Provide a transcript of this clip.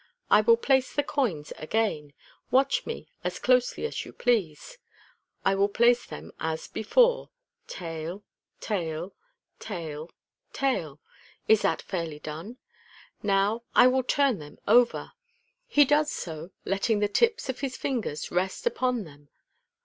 I will place the coins again j watch me as closely as you please. I will place them as before — Tail, tail, tail, tail. Is that fairly done ? Now I will turn them over." He does so, letting the tips of his fingers rest upon them.